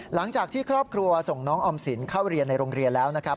หลังจากที่ครอบครัวส่งน้องออมสินเข้าเรียนในโรงเรียนแล้วนะครับ